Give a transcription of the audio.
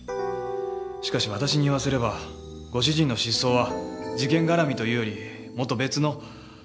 しかし私に言わせればご主人の失踪は事件絡みというよりもっと別の。